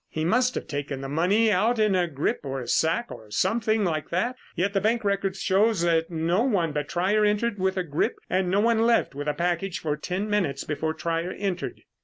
He must have taken the money out in a grip or a sack or something like that, yet the bank record shows that no one but Trier entered with a grip and no one left with a package for ten minutes before Trier entered."